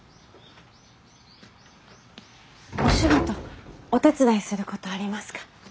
お仕事お手伝いすることありますか？